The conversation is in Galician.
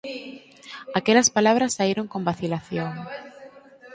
Aquelas palabras saíron con vacilación.